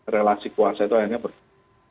relasi kuasa itu akhirnya berubah